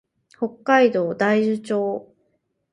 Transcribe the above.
北海道大樹町